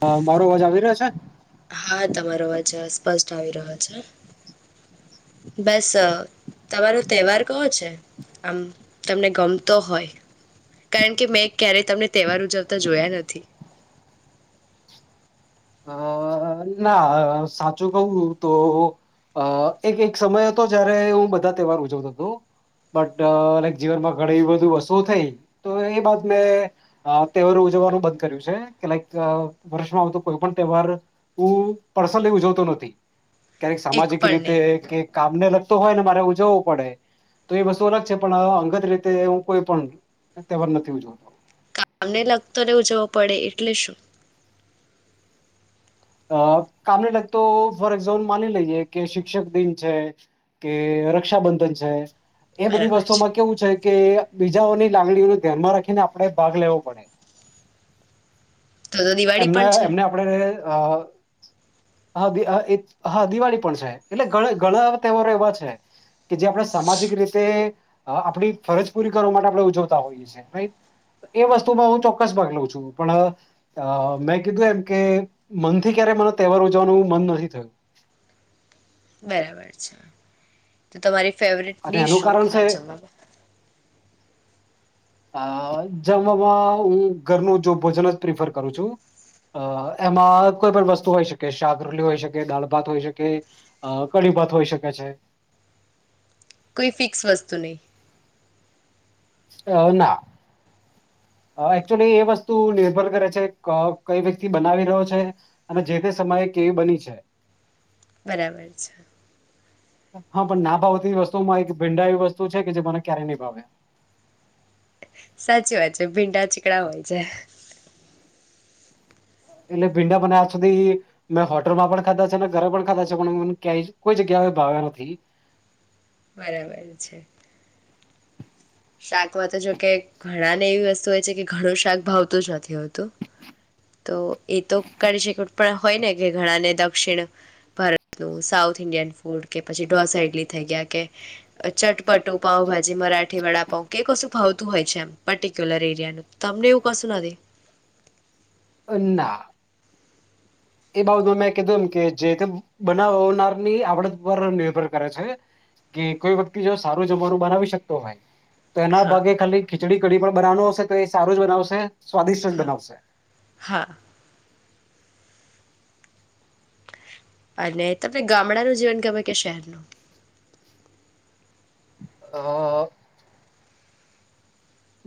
હ મારો અવાજ આવી રહ્યો છે હા તમારો અવાજ અ, આવી રહ્યો છે બસ તમારો તહેવાર કો છે આમ તમને ગમતો હોય કારણ કે મેં ક્યારેય તમને તહેવાર ઉજવતા જોયા નથી અ ના અ સાચું કવું તો અ એક એક સમય હતો જયારે હું બધા તહેવાર ઉજવતો હતો બટલાઈક જીવનમાં ઘણી બધી વતુ થઈ તો એ બાદ મેં તહેવાર ઉજવવાનું બંધ કર્યું છે કે લાઈક વર્ષમાં આવતું કોઈ પણ તહેવાર હું પર્સનલી ઉજવતો નથી ક્યારેક એક સામાજિક પણ રીતે નહીં કે કામને લગ હોય ને મારે ઉજવવું પડે તો એ વસ્તુ અલગ છે પણ અંગત રીતે હું કોઈ પણ તહેવાર નથી ઉજવતો કામને લગતોને ઉજવો પડે એટલે શું અ કામને લગતો ફોર એક્ઝામ્પલ માની લઈએ કે શિક્ષક દિન છે કે રક્ષાબંધન છે એ બધી વસ્તુમાં કેવું છે કે બીજાઓની લંગણીઓ ન ધ્યાનમાં રાખીને આપડણે ભાગ લેવો પડે તો તો દિવાળી એમના પણ છે એમને આપડે અ હ દી હા એજ દિવાળી પણ છે એટલે ઘણા ઘણા તહેવારો એવા છે કે જે આપણે સામાજિક રીતે આપણી ફરજ પૂરી કરવા માટે આપણે ઉજવતા હોઈએ છેએ એ વસ્તુમાં હું ચોક્કસ પગ લઉ છું પણ મેં કીધું એમ કે મનથી ક્યારે મ તહેવારો [unintelligible] મન નથી થયું બરાબર છે તો તમારી ફેવરેટ અને ડિશ એનું હો કારણ ખા છે જમા અ જમવામાં હું ઘરનું જો ભોજન જ પ્રિફર કરું છું અ એમાં કોઈ પણ વસ્તુ હોય શકે શાકરોટલી હોય શકે દાળ ભાત હોય શકે કઢી ભાત હોઈ શકે છે કોઈ ફિક્સ વસ્તુ નહીં અ ના એકક્ચુલી એ વસ્તુ નિર્ભર કરે છે ક કઈ વ્યક્તિ બનાવી રહ્યો છે અને જે તે સમયે કેવી બની છે બરાબર છે હા પણ ના ભાવતી વસ્તુમાં એક ભીંડા એવી વસ્તુ છે કે જે મને ક્યારેય નહી ભાવે સાચી વાત છે ભીંડા ચીકડા હોય છે એટલે ભીંડા મને આજ સુધી મેં હોટલ માં પણ ખાધા છે ને ઘરે પણ ખાધા છે પણ મ ક્યાંય કોઈ જગ્યા ભાવ્યા નથી બરાબર છે શાકમા તો જોકે ઘણા ને એવી વસ્તુ હોય છે કે ઘણું શાક ભાવતું જ નથી હોતું તો એતો કરી શક પણ હોય ને કે ઘણાને દક્ષિણ ભારતનું સાઉથ ઇન્ડિયન ફૂડ કે પછી ઢોસા ઇડલી થઈ ગયા કે ચટપટું પાઉભાજી મરાઠી વાળા કે કશું ફાવતું હોય છે એમ પર્ટિક્યુલર એરિયાનું તમને એવું કશું નથી અના એ બાબતમાં મેં કીધું એમ કે જે બનાવનારની આવડત પર નિર્ભર કરે છે કે કોઈ વ્યક્તિ જો સારું જમવાનું બનાવી શકતો હોય તો એના હા ભાગે ખાલી ખીચડી કડી પણ બનાવવુ હશે તો એ સારું જ બનાવશે સ્વાદિષ્ટ જ હા બનાવશે હા અને તમને ગામડાનું જીવન ગમે કે શહેરનું અ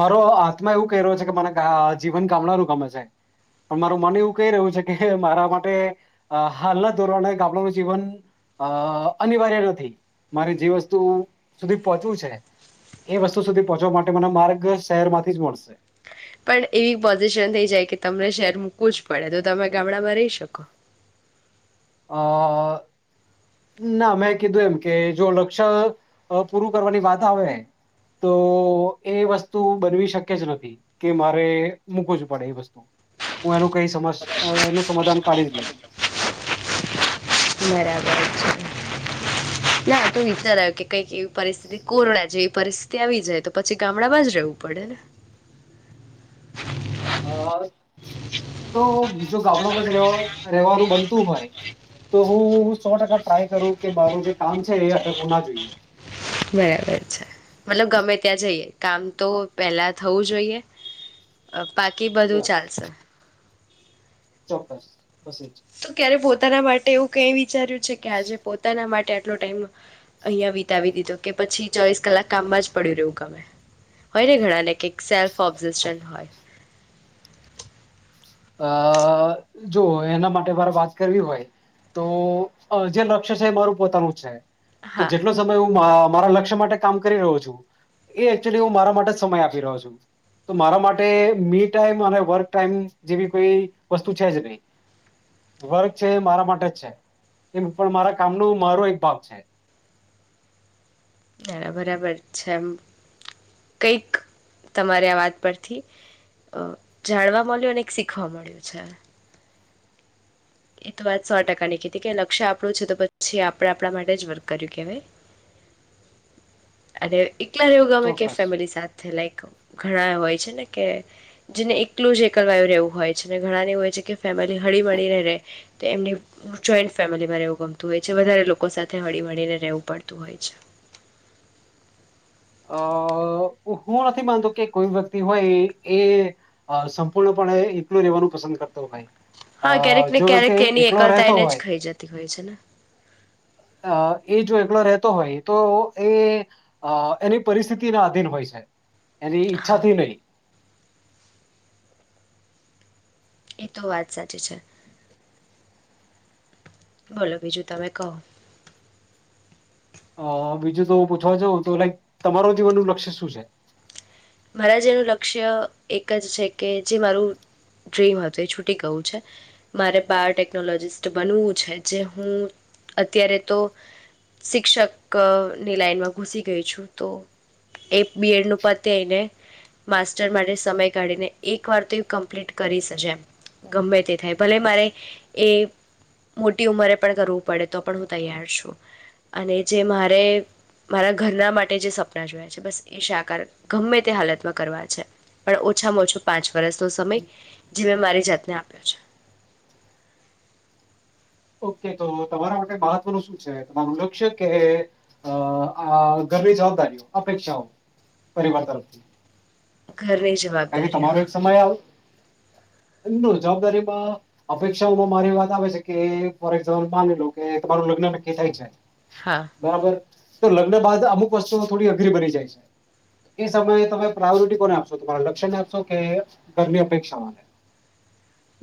મારો હાથમાં એવું કહી રહ્યો છે કે મને જીવન ગામડાનું ગમે છે, પણ મારું મન એવું કહી રહ્યું છે કે મારા માટે, હાલના ધોરણે ગામડાનું જીવન અ અનિવાર્ય નથી મારે જે વસ્તુ સુધી પહોંચવું છે, એ વસ્તુ સુધી પહોંચવા માટે મને માર્ગ જે શહેર માંથી જ મળશે. પણ એવી પોઝિશન થઈ જાય કે તમને શહેર મૂકવું જ પડે તો તમે ગામડામાં રહી શકો. અહ. ના મેં કીધું એમ કે જો લક્ષ્ય અહ પૂરું કરવાની વાત આવે તો એ વસ્તુ બનવી શક જ નથી કે મારે મૂકવું જ પડે એ વસ્તુ. હું એનું કઈ સમસ અહ એનું સમાધાન કાઢી જ લઉં. હા તો વિચાર્યો કે કઈક એવી પરિસ્થિતિ કોરોના જે પરિસ્થિતિ આવી જાય તો પછી ગામડામાં જ રહેવું પડે ને. અહ તો જો ગામડામાં જ રેવા-રેવાનું બનતું હોય તો હું સો ટકા ટ્રાય કરું કે મારું જે કામ છે એ અટકવું ના જોઈએ. બરાબર છે. મતલબ ગમે ત્યાં જઈએ કામ તો પેલા થવું જોઈએ અહ બાકી બધું યસ ચાલશે. ચોક્કસ. બસ એ જ તો ક્યારે પોતાના મા ટે એવું કઈ વિચાર્યું છે કે આજે પોતાના માટ ટે આટલો ટાઈમ અહીંયા વિતાવી દીધો કે પછી ચોવીશ કલ્લાક કામ માં જ પડ્યું રેયુ ગમે. હોય ને ઘણાનેે કેક સેલ્ફ ઓબજેસન હોય. અહ જો એના માટે મારે વાત કરવી હોય તો અહ જે લક્ષ્ય છે એ મારું પોતાનું છે. તો હા જેટલો સમય હું માં મારા લક્ષ્ય માટે કામ કરી રહ્યો છું એ એકચુલી હું મારા માટે જ સમય આપી રહ્યો છું. તો મારા માટે મી ટાઈમ અને વર્ક ટાઈમ જેવી કોઈ વસ્તુ છે જ નહી. વર્ક છે મારા માટે જ છે. એ પણ મારા કામનો મારો એક ભાગ છે. હ બરાબર છે એમ કઈક તમારે આ વાત પરથી અહ જાણવા મળ્યું ને એક શીખવા મળ્યું છે. એ તો વાત સો ટકા ની કીઘી કે લક્ષ્ય આપણું છે તો પછી આપણે આપણા માટે જ વર્ક કર્યું કે અને એકલા રવું ગમે કે ચોક્કસ. ફેમિલી સાથે લાઈક ઘણા હોય છે ને કે જેને એકલું જ એકલવાયું રહેવું હોય છે ને ઘણાને એવું હોય છે કે ફેમિલી હળી મળી રેહ તો એમની જોઈન્ટ ફેમિલીમાં રહેવું ગમતું હોય છે વધારે લોકો સાથે હળી મળીને રહેવું પડતું હોય છે અ હું નથી માનતો કે કોઈ વ્યક્તિ હોય એ સંપૂર્ણપણે એકલું રહેેવાનું પસંદ કરતો હોય હા ક્યારેક અ ને જો વ્યક્તિ ક્યારેક એની એકલો એકલતા રહેતો એને જ હોય ખાઈ જતી હોય છે ને એ જો એકલો રહે તો હોય તો એ એની પરિસ્થિતિ ના આધીન હોય છે એની ઈચ્છા હા થી નઈ એ તો વાત સાચી છે બોલો બીજું તમે કહો હ બીજું તો પૂછવા છો તો લાઈક તમારો જીવન નું લક્ષ્ય શું છે મારા જેનું લક્ષ્ય એક જ છે કે જે મારું ડ્રીમ હતું એ છૂટી ગયુ છે મારે બાયોટેકનોલોજીિસ્ટ બનવું છે જે હું અત્યારે તો શિક્ષકની લાઈનમાં ઘુસી ગઈ છું તો એ બી એડ નું પદ તેઈને માસ્ટર માટે સમય કાઢીને એક વાર તો એ કમ્પ્લીટ કરીશ જ એમ ગમે તે થાય ભલે મારે એ મોટી ઉંમરે પણ કરવું પડે તો પણ હું તૈયાર છું અને જે મારે મારા ઘરના માટે જે સપના જોયા છે બસ એ શાકાર ગમે તે હાલતમાં કરવા છે પણ ઓછામાં ઓછો પાંચ વર્ષનો સમય જે મેં મારી જાતને આપ્યો છે ઓકે તો તમારા માટે મહત્વનું શું છે તમારું લક્ષ્ય કે આ ઘરની જવાબદારીઓ અપેક્ષાઓ પરિવાર તરફથી છે ઘરની કારણ કે જવાબદારીઓ તમારો એક સમય આવ જવાબદારી માં અપેક્ષાઓમાં મારી વાત આવે છે કે ફોર એક્ઝામ્પલ માની લીધું કે તમારું લગ્ન નક્કી થાય છે હા બરાબર તો લગ્ન બાદ અમુક વસ્તુઓ થોડી અઘરી બની જાય છે એ સમયે તમે પ્રાયોરિટી કોને આપશો અ લક્ષ્ય ને આપશો કે ઘરની અપેક્ષામાં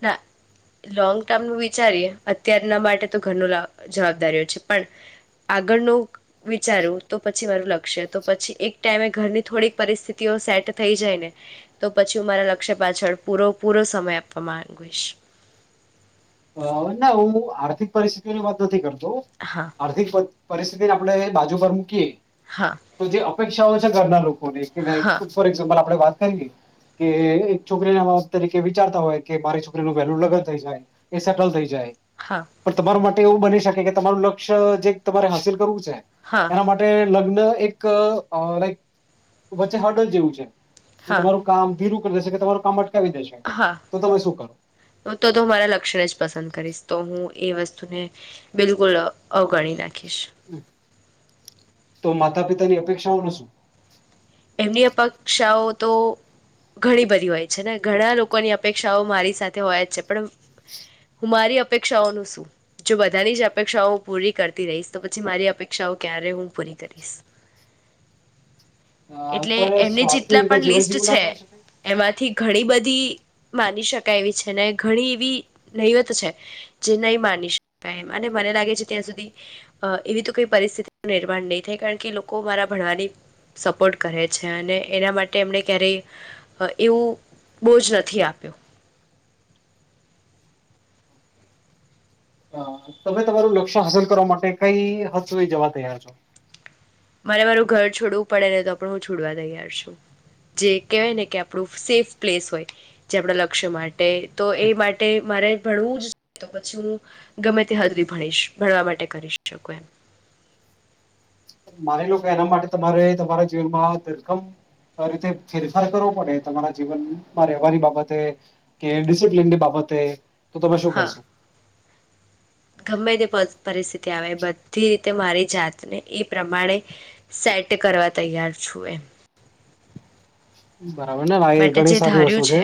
ના લોંગ ટર્મનું વિચારીએ અત્યારના માટે તો ઘરનું જવાબદારીઓ છે પણ આગળનું વિચારું તો પછી મારું લક્ષ્ય તો પછી એક ટાઈમે ઘરની થોડીક પરિસ્થિતિઓ સેટ થઈ જાય ને તો પછી હું મારા લક્ષ્ય પાછળ પૂરો પૂરો સમય આપ પ્રમાન ગુસ ના હું આર્થિક પરિસ્થિતિની વાત નથી કરતો તો હા આર્થિક પરિસ્થિતિ ને આપણે બાજુ પર મૂકીએ હા તો જે ઇચ્છા હોય છે ઘરના લોભ હા પોલીસનીલાઇફ ફોર ઇકઝામ્પલ આપણે વાત કરી કે એક છોકરીને તરીકે વિચારતા હોય કે મારી છોકરીનું વેલ્યુ લગન થઈ જાય એ સેટલ થઈ જાય હા પણ તમારો માટે એવું બની શકે કે તમારું લક્ષ્ય જે તમારે હાસિલ છે હા એના માટે લગ્ન તો એક ઓ લાઇક વચ્ચે હર્ડંલ જેવું છે જે હા તમારું કામ ધીરું હોઈ શકે તમારુ કામ અટકે હા તો તો મારા લક્ષણ જ પસંદ કરીશ તો હું એ વસ્તુને બિલકુલ અવગણી નાખ ખીશ તો માતા પિતાની અપેક્ષાઓ નુ શું? એમની અપેક્ષાઓ તો ઘણી બધી હોય છે, ને ઘણા લોકોની અપેક્ષાઓ મારી સાથે હોય જ છે, પણ હું મારી અપેક્ષાઓનું શું જો બધાની જ અપેક્ષાઓ પૂરી કરતી રહીશ તો પછી મારી અપેક્ષાઓ ક્યારે હું પૂરી કરીશ એટલે અત્યારે એમની સ્વાર્થી જેટલા રીતે પણ જીવન લિસ્ટ જીવું ના છે, કરી શકાય એમાંથી ઘણી બધી માની શકાય એવી છે, ને ઘણી એવી નૈવત છે જે નહી માની શકાય અને મને લાગે છે ત્યાં સુધી એવી તો કઈ પરિસ્થિતિ નિર્માણ નહી થાય કારણ કે લોકો મારા ભણવાની સપોર્ટ કરે છે અને એના માટે એમણે ક્યારેય એવું બોજ નથી આપ્યું હ, તમે તમારું લક્ષ્ય હાંસલ કરવા માટે કઈ હદ સુધી જવા તૈયાર છો મારે મારું ઘર છોડવું પડે ને તો પણ હું છોડવા તૈયાર છું, જે કહેવાય ને કે આપણું સેફ પ્લેસ હોય, જે આપણા લક્ષ્ય માટે તો, એ માટે મારે ભણવું જ તો પછી હું ગમે તે હદહુધી ભણીશ ભણવા માટે કરી શકું એમ માની લો કે એના માટે તમારે તમારા જીવનમાં ધરખમ રીતે ફેરફાર કરવો પડે તમારા જીવનમાં રહેવાની બાબતે કે ડિસિપ્લીનની બાબતે તો, તમે શું હા કરશો ગમે તે પરિસ્થિતિ આવે બધી રીતે મારી જાતને એઈ પ્રમાણે સેટ કરવા તૈયાર છું એમ બરાબર ને [unintelligible] બટ ઘણી જે સાારી ધાર્યું વસ્તુ છે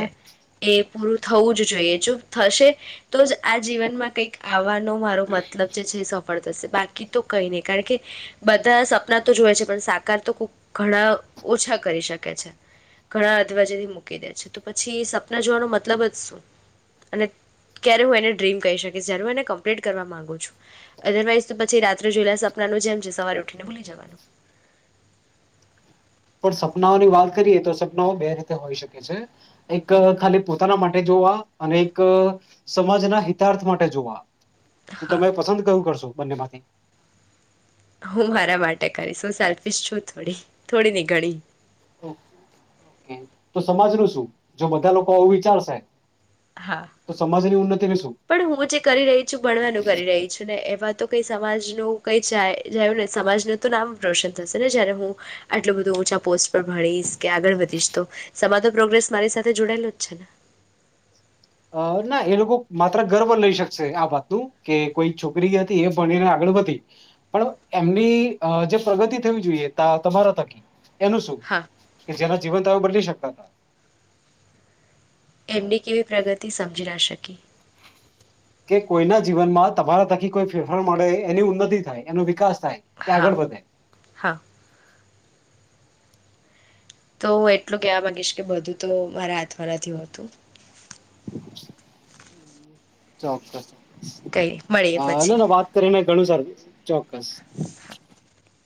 એ પૂરું થવું જ જોઈએ, થશે તો જ આ જીવનમાં કંઈક આવવાનું નો મારો મતલબ છે જે સો શે બાકી તો કઈ નહી કારણ કે બધા સપના તો જોવે છે પણ સાકાર તો ઘણા ઓછા કરી શકે છે ઘણા જોવા જેવી મૂકી દે છે, તો પછી સપના જોવાનો મતલબ જ શું, અને ક્યારે હું એને ડ્રીમ કહી શકીશ જ્યારે હું એને કમ્પ્લીટ કરવા માંગુ છું, અધરવાઈઝ તો પછી રાત્રે જોયેલા સપનાનું જેમ છે સવારે ઉઠીને ભૂલી જવાનું પણ સપનાઓની વાત કરીએ તો સપનાઓ બે રીતે હોઈ શકે છે, એક ખાલી પોતાના માટે જોવા અને એક સમાજના હિતાર્થ માટે જોવા તો હા તમે પસંદ કયુ કરશો બનનેવાથી હું મારા માટે કરીશું સેલ્ફિસ છું થોડી થોડી ની ઘણી તો સમાજ ન શું જો બધા લોકો આવું વિચારશે હા તો સમાજની ઉન્નતિનું શું? પણ હું જે કરી રહી છું ભણવાનું કરી રહી છું ને એમ આમાં તો કઈ સમાજ નુ કઈ જ જાય ને સમાજનું તો નામ રોશન થશે ને જયારે હું આટલું બધું ઉચા પોસ્ટ પર ભણીશ કે આગળ વધીશ તો સમાજ નુ પ્રોગ્રેસ તો મારી સાથે જોડાયેલો જ છે ને અ ના એ લોકો માત્ર ગર્વ લઈ શકશે આ વાતનું કે કોઈ છોકરી હતી એ ભણીને આગળ વધી પણ એમની જે પ્રગતિ થવી જોઈએ ત તમારા થકી એનું શું હા કે જેના જીવન તમે બદલી શકે હ એમની કેવી પ્રગતિ સમજી ના શકી કે કોઈના જીવનમાં તમારા થકી કોઈ ફેરફાર મળે એની ઉન્નતિ થાય એનો વિકાસ થા ય એ હા આગળ વધે હા તો હું એટલું કહેવા માંગીશ કે બધું તો મારા હાથમાં નથી હોતું ચોક્કસ હ કઈ મળીએ પછી ના ના વાત કરીને ઘણું સારુ ચોક્કસ [inaudible]